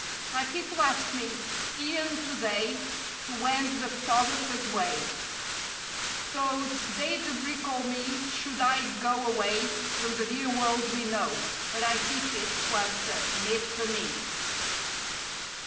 My people ask me, e'en today To wend the photographer's way; So's they'd recall me, should I go Away from the dear world we know— But I see fit To answer "Nit For me."